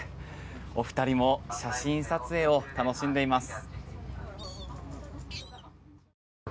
お二人も写真撮影を楽しんでいます。